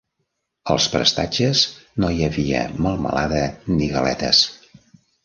Als prestatges no hi havia melmelada ni galetes.